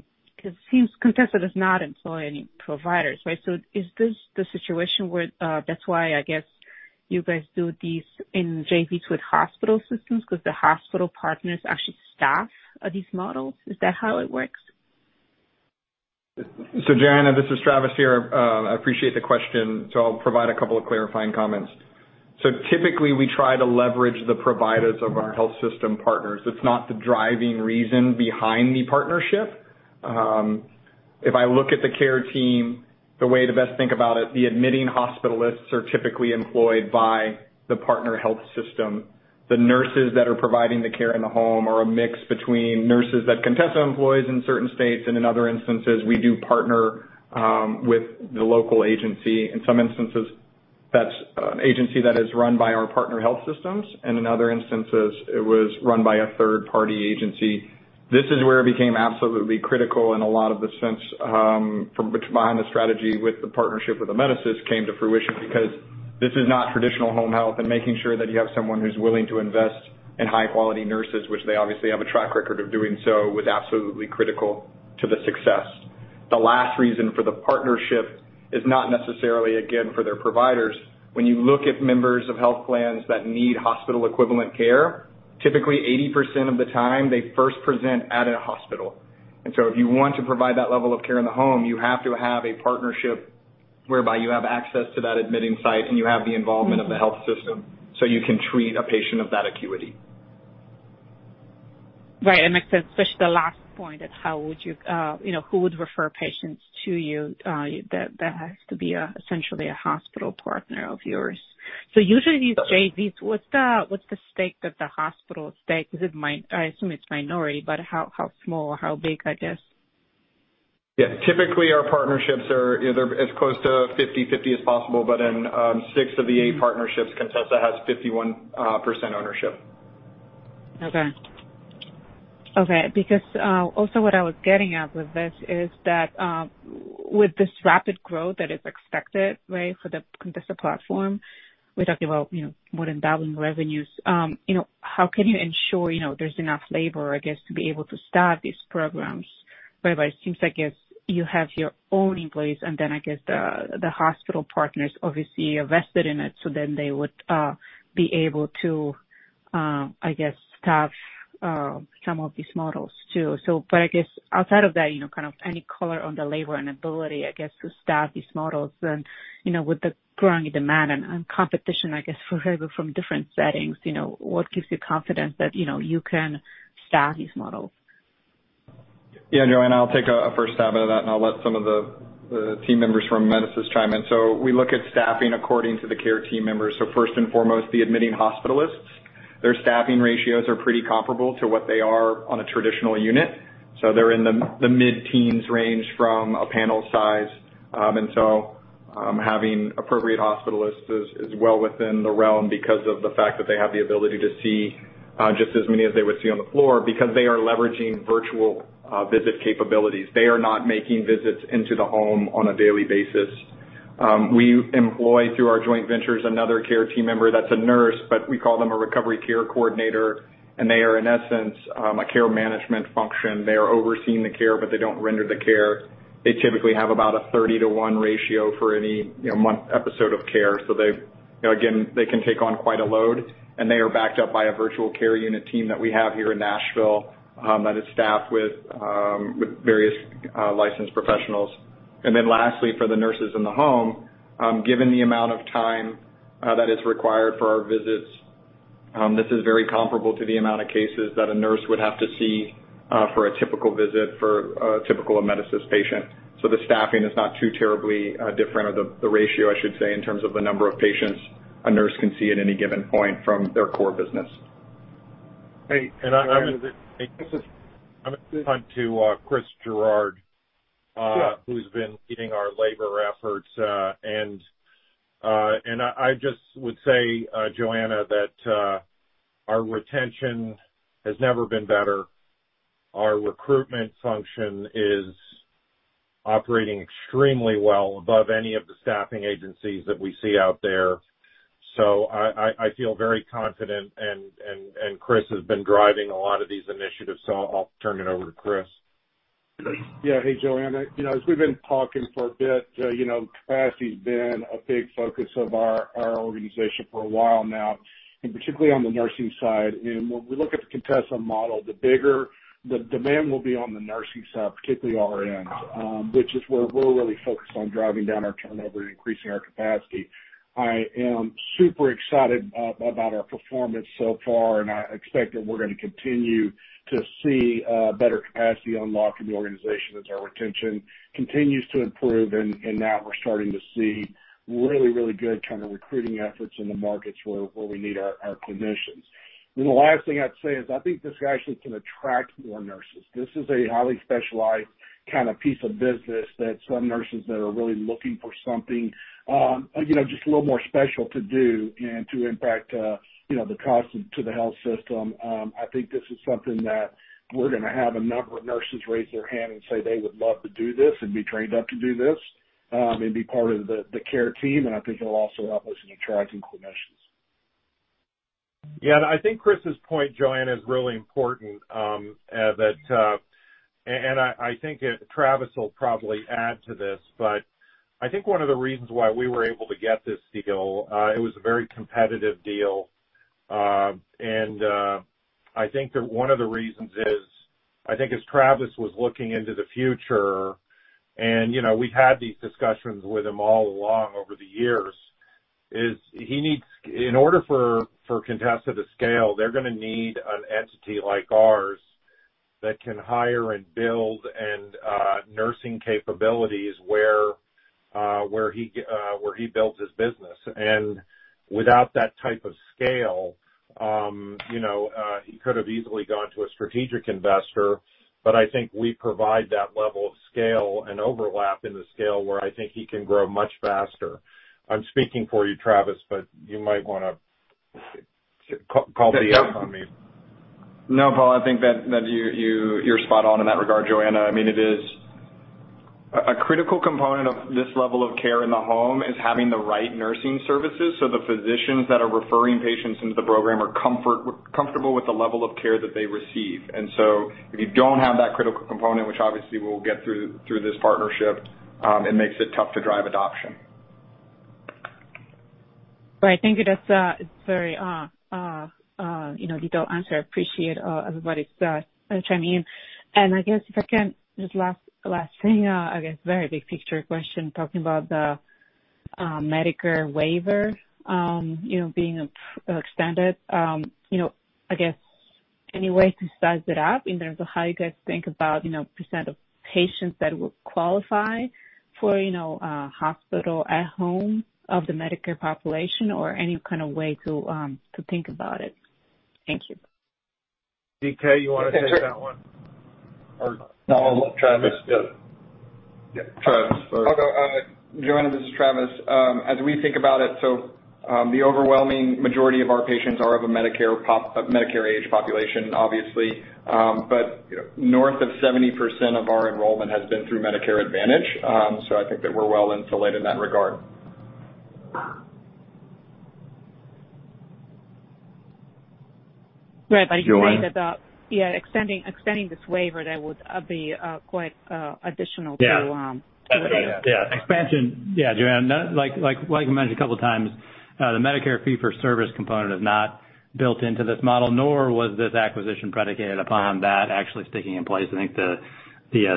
it seems Contessa does not employ any providers, right? Is this the situation where that's why, I guess, you guys do these in JVs with hospital systems because the hospital partners actually staff these models. Is that how it works? Joanna, this is Travis here. I appreciate the question. I'll provide a couple of clarifying comments. Typically we try to leverage the providers of our health system partners. It's not the driving reason behind the partnership. If I look at the care team, the way to best think about it, the admitting hospitalists are typically employed by the partner health system. The nurses that are providing the care in the home are a mix between nurses that Contessa employs in certain states, and in other instances, we do partner with the local agency. In some instances, that's an agency that is run by our partner health systems, and in other instances, it was run by a third-party agency. This is where it became absolutely critical in a lot of the sense, behind the strategy with the partnership with Amedisys came to fruition because this is not traditional home health, and making sure that you have someone who's willing to invest in high-quality nurses, which they obviously have a track record of doing so, was absolutely critical to the success. The last reason for the partnership is not necessarily, again, for their providers. When you look at members of health plans that need hospital-equivalent care, typically 80% of the time, they first present at a hospital. If you want to provide that level of care in the home, you have to have a partnership whereby you have access to that admitting site and you have the involvement of the health system, so you can treat a patient of that acuity. Right. I guess especially the last point of who would refer patients to you, that has to be essentially a hospital partner of yours. Usually these JVs, what's the stake that the hospital takes? I assume it's minority, but how small or how big, I guess? Yeah. Typically, our partnerships are either as close to 50/50 as possible, but in six of the eight partnerships, Contessa has 51% ownership. Okay. Also what I was getting at with this is that, with this rapid growth that is expected, right, for the Contessa platform, we're talking about more than doubling revenues. How can you ensure there's enough labor, I guess, to be able to staff these programs? It seems like you have your own employees, and I guess, the hospital partners obviously are vested in it, they would be able to, I guess, staff some of these models too. I guess outside of that, kind of any color on the labor and ability, I guess, to staff these models and, with the growing demand and competition, I guess, from different settings, what gives you confidence that you can staff these models? Yeah, Joanna, I'll take a first stab at that, and I'll let some of the team members from Amedisys chime in. We look at staffing according to the care team members. First and foremost, the admitting hospitalists, their staffing ratios are pretty comparable to what they are on a traditional unit. They're in the mid-teens range from a panel size. Having appropriate hospitalists is well within the realm because of the fact that they have the ability to see just as many as they would see on the floor because they are leveraging virtual visit capabilities. They are not making visits into the home on a daily basis. We employ through our joint ventures another care team member that's a nurse, but we call them a recovery care coordinator, and they are, in essence, a care management function. They are overseeing the care, but they don't render the care. They typically have about a 30:1 ratio for 30-day a month episode of care. They, again, can take on quite a load, and they are backed up by a virtual care unit team that we have here in Nashville, that is staffed with various licensed professionals. Lastly, for the nurses in the home, given the amount of time that is required for our visits, this is very comparable to the amount of cases that a nurse would have to see for a typical visit for a typical Amedisys patient. The staffing is not too terribly different, or the ratio, I should say, in terms of the number of patients a nurse can see at any given point from their core business. Hey, I'm going to Chris Gerard. Yeah who's been leading our labor efforts. I just would say, Joanna, that our retention has never been better. Our recruitment function is operating extremely well above any of the staffing agencies that we see out there. I feel very confident and Chris has been driving a lot of these initiatives, I'll turn it over to Chris. Yeah. Hey, Joanna. As we've been talking for a bit, capacity's been a big focus of our organization for a while now, and particularly on the nursing side. When we look at Contessa model, the demand will be on the nursing side, particularly RN, which is where we're really focused on driving down our turnover and increasing our capacity. I am super excited about our performance so far, I expect that we're going to continue to see better capacity unlock in the organization as our retention continues to improve. Now we're starting to see really good kind of recruiting efforts in the markets where we need our clinicians. The last thing I'd say is I think this actually can attract more nurses. This is a highly specialized piece of business that some nurses that are really looking for something just a little more special to do and to impact the cost to the health system. I think this is something that we're going to have a number of nurses raise their hand and say they would love to do this and be trained up to do this, and be part of the care team, and I think it'll also help us in attracting clinicians. Yeah. I think Chris's point, Joanna, is really important. I think that Travis will probably add to this, but I think one of the reasons why we were able to get this deal, it was a very competitive deal. I think that one of the reasons is, I think as Travis was looking into the future, and we've had these discussions with him all along over the years, is in order for Contessa to scale, they're going to need an entity like ours that can hire and build and nursing capabilities where he builds his business. Without that type of scale, he could've easily gone to a strategic investor, but I think we provide that level of scale and overlap in the scale where I think he can grow much faster. I'm speaking for you, Travis, but you might want to call me out on me. Paul, I think that you're spot on in that regard, Joanna. I mean, a critical component of this level of care in the home is having the right nursing services so the physicians that are referring patients into the program are comfortable with the level of care that they receive. If you don't have that critical component, which obviously we'll get through this partnership, it makes it tough to drive adoption. Right. Thank you. Detailed answer. Appreciate everybody chiming in. I guess if I can, just last thing, I guess very big picture question, talking about the Medicare waiver being extended. I guess any way to size it up in terms of how you guys think about percent of patients that would qualify for hospital at home of the Medicare population or any kind of way to think about it? Thank you. DK, you want to take that one? Or Travis? Joanna, this is Travis Messina. As we think about it, the overwhelming majority of our patients are of a Medicare age population, obviously. North of 70% of our enrollment has been through Medicare Advantage. I think that we're well-insulated in that regard. You think that, yeah, extending this waiver, that would be quite additional. Yeah. Expansion. Yeah, Joanna, like you mentioned a couple of times, the Medicare fee-for-service component is not built into this model, nor was this acquisition predicated upon that actually sticking in place. I think the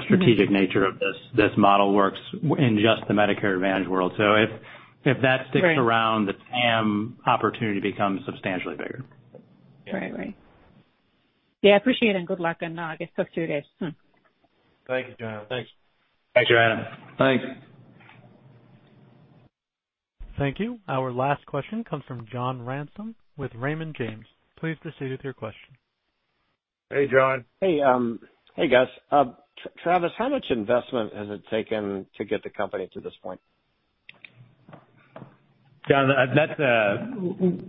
strategic nature of this model works in just the Medicare Advantage world. If that sticks around, the TAM opportunity becomes substantially bigger. Right. Yeah, appreciate it and good luck on August 22nd. Thank you, Joanna. Thanks. Thanks, Joanna. Thanks. Thank you. Our last question comes from John Ransom with Raymond James. Please proceed with your question. Hey, John. Hey, guys. Travis, how much investment has it taken to get the company to this point? John,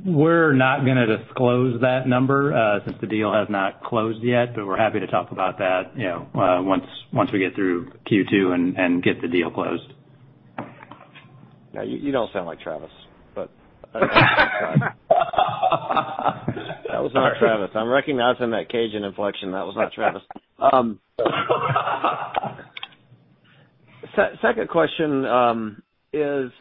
we're not going to disclose that number since the deal has not closed yet, but we're happy to talk about that once we get through Q2 and get the deal closed. Yeah, you don't sound like Travis. That was not Travis. I'm recognizing that Cajun inflection. That was not Travis. Second question is,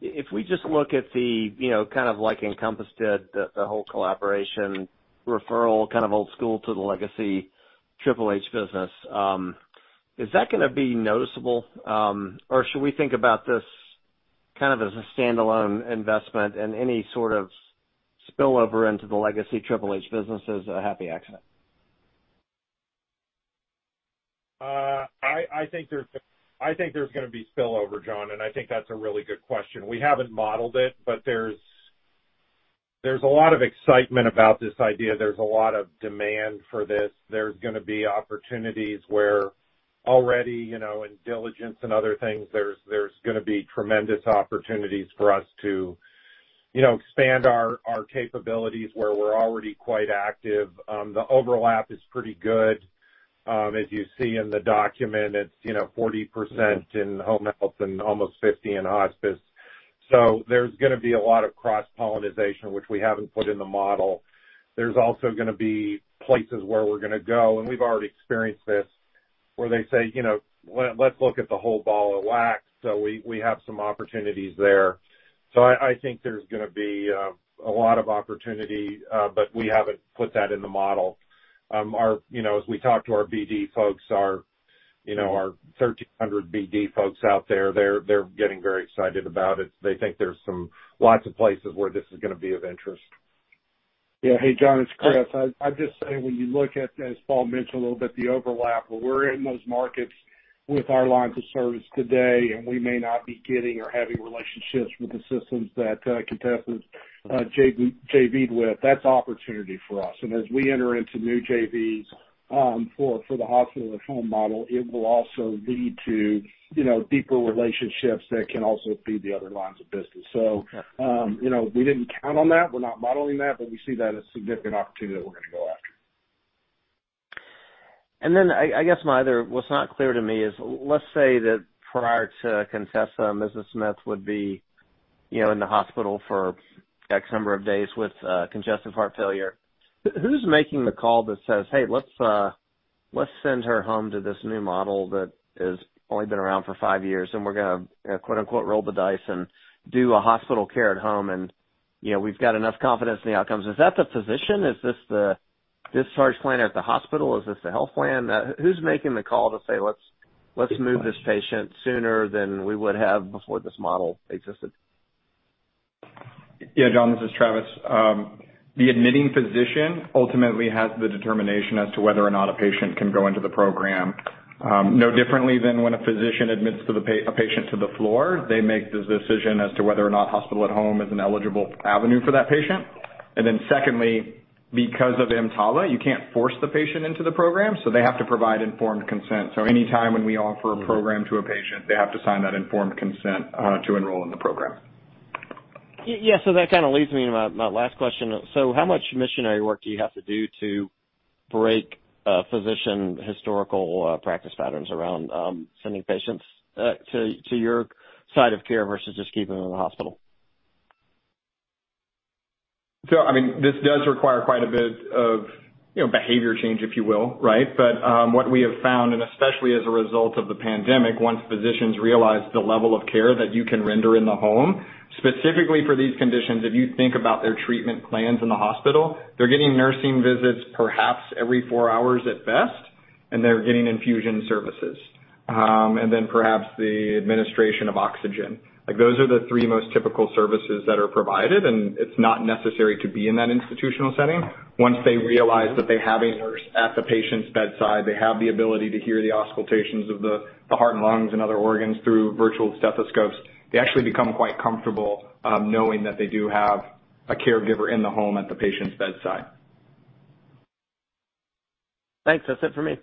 if we just look at the kind of like Encompass did the whole collaboration referral kind of old school to the legacy Triple H business, is that going to be noticeable? Should we think about this as a standalone investment and any sort of spillover into the legacy Triple H business as a happy accident? I think there's going to be spillover, John, and I think that's a really good question. We haven't modeled it, but there's a lot of excitement about this idea. There's a lot of demand for this. There's going to be opportunities where already, in diligence and other things, there's going to be tremendous opportunities for us to expand our capabilities where we're already quite active. The overlap is pretty good. As you see in the document, it's 40% in Home Health and almost 50% in Hospice. There's going to be a lot of cross-pollenization, which we haven't put in the model. There's also going to be places where we're going to go, and we've already experienced this, where they say, "Let's look at the whole ball of wax." We have some opportunities there. I think there's going to be a lot of opportunity, but we haven't put that in the model. As we talk to our BD folks, our 1,300 BD folks out there, they're getting very excited about it. They think there's lots of places where this is going to be of interest. Yeah. Hey, John, it's Chris. I'm just saying, when you look at, as Paul mentioned a little bit, the overlap, where we're in those markets with our lines of service today, and we may not be getting or having relationships with the systems that Contessa's JV'd with, that's opportunity for us. As we enter into new JVs for the hospital at home model, it will also lead to deeper relationships that can also feed the other lines of business. We didn't count on that. We're not modeling that, but we see that as significant opportunity that we're going to go after. I guess my other, what's not clear to me is, let's say that prior to Contessa, Mrs. Smith would be in the hospital for X number of days with congestive heart failure. Who's making the call that says, "Hey, let's send her home to this new model that has only been around for five years, and we're going to quote, unquote, 'roll the dice' and do a hospital care at home, and we've got enough confidence in the outcomes." Is that the physician? Is this the discharge planner at the hospital? Is this the health plan? Who's making the call to say, let's move this patient sooner than we would have before this model existed? Yeah, John, this is Travis. The admitting physician ultimately has the determination as to whether or not a patient can go into the program. No differently than when a physician admits a patient to the floor, they make the decision as to whether or not hospital at home is an eligible avenue for that patient. Secondly, because of EMTALA, you can't force the patient into the program, so they have to provide informed consent. Anytime when we offer a program to a patient, they have to sign that informed consent to enroll in the program. Yeah. That kind of leads me to my last question. How much missionary work do you have to do to break physician historical practice patterns around sending patients to your site of care versus just keeping them in the hospital? This does require quite a bit of behavior change, if you will. What we have found, and especially as a result of the pandemic, once physicians realize the level of care that you can render in the home, specifically for these conditions, if you think about their treatment plans in the hospital, they're getting nursing visits perhaps every four hours at best, and they're getting infusion services, and then perhaps the administration of oxygen. Those are the three most typical services that are provided, and it's not necessary to be in that institutional setting. Once they realize that they have a nurse at the patient's bedside, they have the ability to hear the auscultations of the heart, lungs, and other organs through virtual stethoscopes. They actually become quite comfortable knowing that they do have a caregiver in the home at the patient's bedside. Thanks. That's it for me.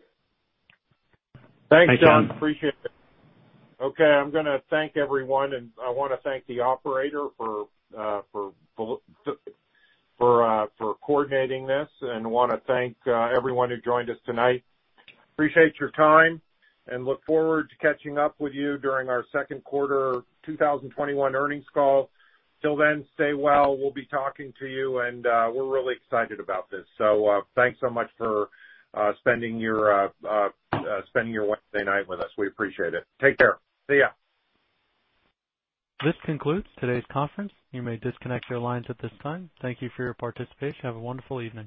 Thanks, John. Appreciate it. I'm going to thank everyone. I want to thank the operator for coordinating this, want to thank everyone who joined us tonight. Appreciate your time, look forward to catching up with you during our second quarter 2021 earnings call. Till then, stay well. We'll be talking to you. We're really excited about this. Thanks so much for spending your Wednesday night with us. We appreciate it. Take care. See you. This concludes today's conference. You may disconnect your lines at this time. Thank you for your participation. Have a wonderful evening.